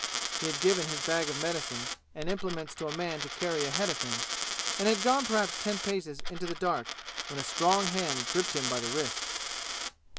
He had given his bag of medicines and implements to a man to carry ahead of him and had gone perhaps ten paces into the dark when a strong hand gripped him by the wrist.